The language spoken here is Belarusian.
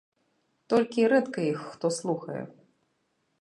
Толькі рэдка іх хто слухае.